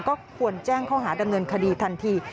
ก็ควรแจ้งข้อหาดำเนินคดีทันที